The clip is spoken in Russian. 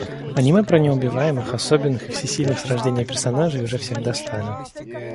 Аниме про неубиваемых, особенных и всесильных с рождения персонажей уже всех достали.